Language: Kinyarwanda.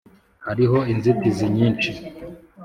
hariho inzitizi nyinshi